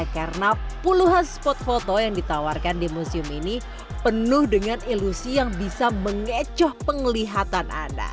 karena puluhan spot foto yang ditawarkan di museum ini penuh dengan ilusi yang bisa mengecoh penglihatan anda